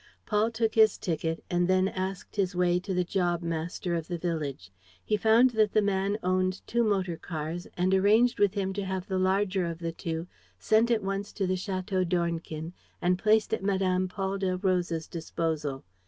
Paul took his ticket and then asked his way to the jobmaster of the village. He found that the man owned two motor cars and arranged with him to have the larger of the two sent at once to the Château d'Ornequin and placed at Mme. Paul Delroze's disposal.